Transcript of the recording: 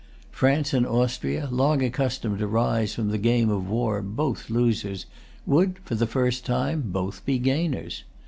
France and Austria, long accustomed to rise from the game of war both losers, would, for the first time, both be gainers.